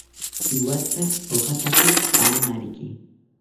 Iwatha pojataki paamariki